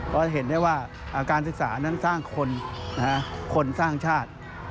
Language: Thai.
ก็จะเห็นได้ว่าการศึกษานั้นสร้างคนคนสร้างชาติ